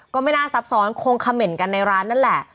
ก็ไม่น่าซับซ้อนคงเขม่นกันในร้านนั่นแหละ